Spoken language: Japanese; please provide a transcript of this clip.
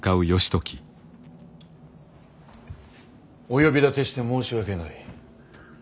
お呼び立てして申し訳ない。